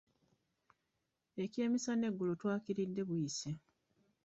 Ekyemisana eggulo twakiridde buyise.